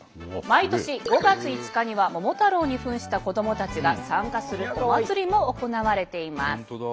毎年５月５日には桃太郎にふんした子どもたちが参加するお祭りも行われています。